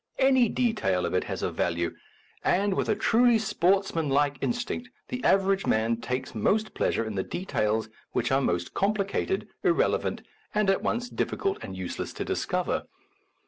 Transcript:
Any detail of it has a value, and, with a truly sportsmanlike in stinct, the average man takes most pleasure in the details which are most complicated, irrelevant, and at once difficult and useless to discover.